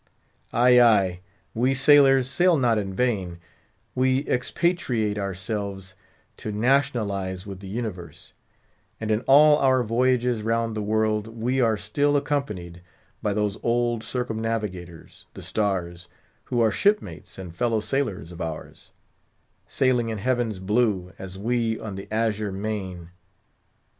Ay, ay! we sailors sail not in vain, We expatriate ourselves to nationalise with the universe; and in all our voyages round the world, we are still accompanied by those old circumnavigators, the stars, who are shipmates and fellow sailors of ours—sailing in heaven's blue, as we on the azure main.